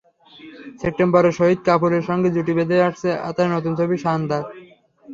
সেপ্টেম্বরে শহীদ কাপুরের সঙ্গে জুটি বেঁধে আসছে তাঁর নতুন ছবি শানদার।